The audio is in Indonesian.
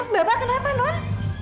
bapak kenapa non